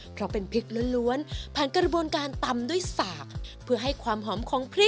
เหลืองก็คือบะหมี่